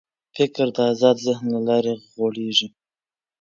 فکر د آزاد ذهن له لارې غوړېږي.